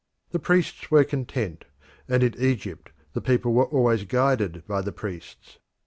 The priests were content, and in Egypt the people were always guided by the priests.